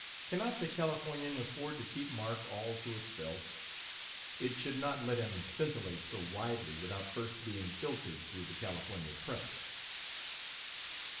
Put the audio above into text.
Cannot the Californian afford to keep Mark all to itself? It should not let him scintillate so widely without first being filtered through the California press."